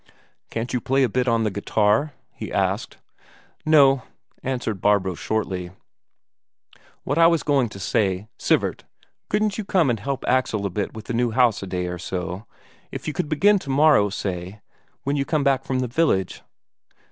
"Can't you play a bit on the guitar?" he asked. "No," answered Barbro shortly. "What I was going to say: Sivert, couldn't you come and help Axel a bit with the new house a day or so? If you could begin tomorrow, say, when you come back from the village?"